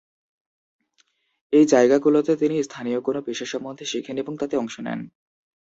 এই জায়গাগুলোতে তিনি স্থানীয় কোনো পেশা সম্বন্ধে শেখেন এবং তাতে অংশ নেন।